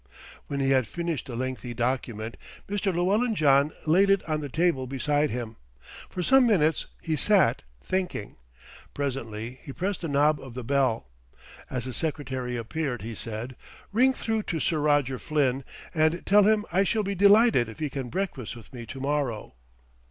When he had finished the lengthy document, Mr. Llewellyn John laid it on the table beside him. For some minutes he sat thinking. Presently he pressed the knob of the bell. As a secretary appeared he said, "Ring through to Sir Roger Flynn, and tell him I shall be delighted if he can breakfast with me to morrow."